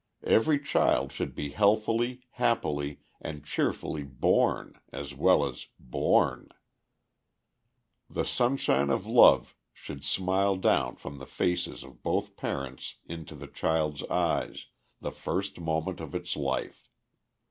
Every child should be healthily, happily, and cheerfully born, as well as borne. The sunshine of love should smile down from the faces of both parents into the child's eyes the first moment of its life.